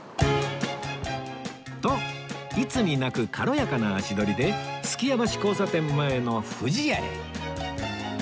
といつになく軽やかな足取りで数寄屋橋交差点前の不二家へ